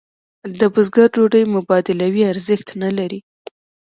د بزګر ډوډۍ مبادلوي ارزښت نه لري.